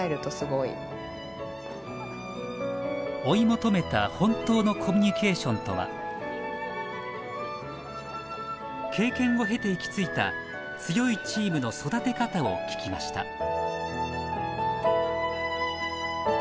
追い求めた本当のコミュニケーションとは経験を経て行き着いた強いチームの育て方を聞きました